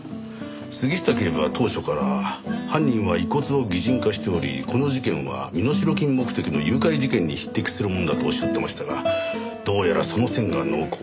杉下警部は当初から犯人は遺骨を擬人化しておりこの事件は身代金目的の誘拐事件に匹敵するものだとおっしゃっていましたがどうやらその線が濃厚。